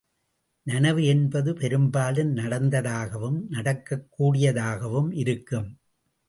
நனவு என்பது பெரும்பாலும் நடந்ததாகவும் நடக்கக்கூடியதாகவும் இருக்கும்.